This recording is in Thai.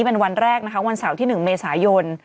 เป็นวันแรกนะคะวันเสาร์ที่๑เมษายน